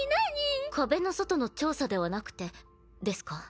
壁の外の調査ではなくてですか？